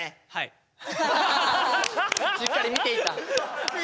しっかり見ていた。